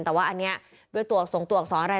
แต่ว่าอันนี้ด้วยตัวส่งตัวอักษรอะไร